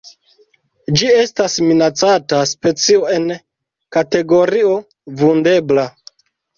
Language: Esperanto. Ĝi estas minacata specio en kategorio Vundebla.